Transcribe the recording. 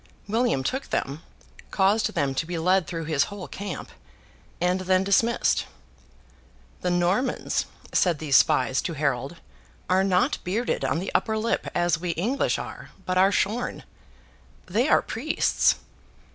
William took them, caused them to be led through his whole camp, and then dismissed. 'The Normans,' said these spies to Harold, 'are not bearded on the upper lip as we English are, but are shorn. They are priests.